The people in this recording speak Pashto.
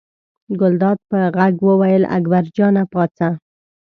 ګلداد په غږ وویل اکبر جانه پاڅه.